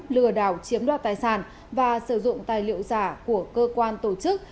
lừa đảo chiếm đoạt tài sản và sử dụng tài liệu giả của cơ quan tổ chức